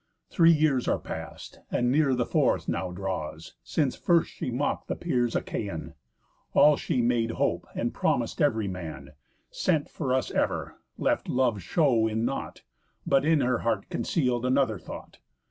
Three years are past, and near the fourth now draws, Since first she mock'd the peers Achaian. All she made hope, and promis'd ev'ry man, Sent for us ever, left love's show in nought, But in her heart conceal'd another thought.